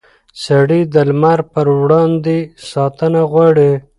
سړي د لمر پر وړاندې ساتنه غواړي.